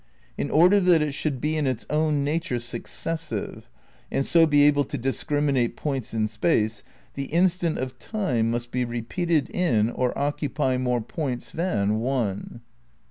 In order that it should be in its own nature successive and so be able to dis criminate points in Space, the instant of Time must be repeated in or occupy more points than one."